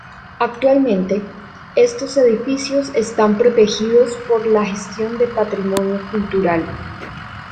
Actualmente, estos edificios están protegidos por la gestión de patrimonio cultural.